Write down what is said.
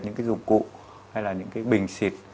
những cái dụng cụ hay là những cái bình xịt